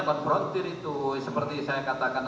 konfrontir itu seperti saya katakan